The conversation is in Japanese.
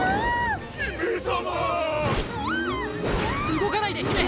動かないで姫！